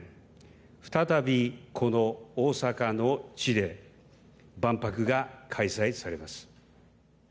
再びこの大阪の地で万博が開催されます。